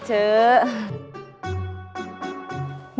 tidak ada apa apa